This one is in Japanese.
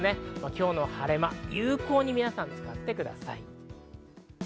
今日の晴れも有効に皆さん使ってください。